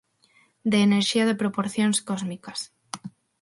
De enerxía de proporcións cósmicas.